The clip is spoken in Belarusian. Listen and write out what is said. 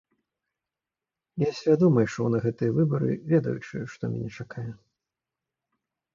Я свядома ішоў на гэтыя выбары, ведаючы, што мяне чакае.